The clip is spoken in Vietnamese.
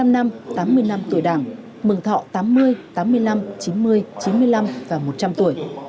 một mươi năm năm tám mươi năm tuổi đảng mừng thọ tám mươi tám mươi năm chín mươi chín mươi năm và một trăm linh tuổi